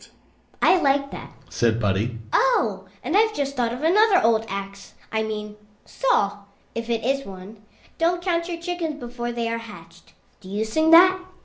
"I like that," said Buddie. "Oh, and I've just thought of another old ax I mean saw, if it is one Don't count your chickens before they are hatched. Do you sing that?"